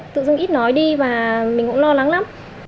tự dung ít nói đi và mình cũng lo lắng lắm